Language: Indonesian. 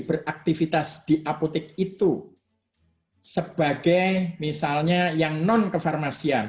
beraktivitas di apotek itu sebagai misalnya yang non kefarmasian